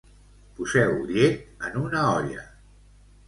Poseu llet en una olla.